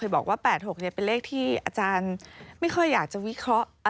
ก็ถ้าที่เราดู๘๖นี่เป็นเลขที่อาจารย์ไม่ค่อยอยากจะวิเคราะห์